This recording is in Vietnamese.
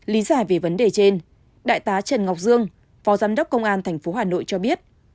lý giải về vấn đề trên đại tá trần ngọc dương phó giám đốc công an tp hà nội cho biết